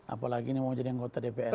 apalagi ini mau jadi anggota dpr